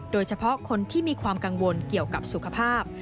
โดยเฉพาะคนที่มีความกังวลเกี่ยวกับสุขภาพ